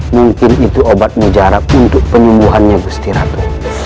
mungkin itu obat mujarab untuk penyembuhannya gusti ratu